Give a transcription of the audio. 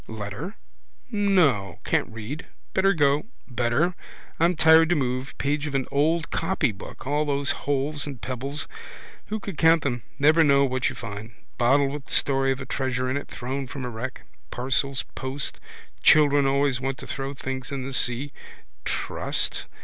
Letter? No. Can't read. Better go. Better. I'm tired to move. Page of an old copybook. All those holes and pebbles. Who could count them? Never know what you find. Bottle with story of a treasure in it, thrown from a wreck. Parcels post. Children always want to throw things in the sea. Trust?